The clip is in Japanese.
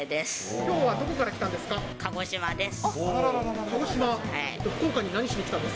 きょうはどこから来たんです鹿児島です。